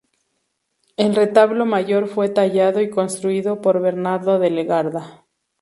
El retablo mayor fue tallado y construido por Bernardo de Legarda.